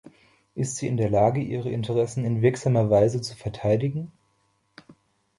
Ist sie in der Lage, ihre Interessen in wirksamer Weise zu verteidigen?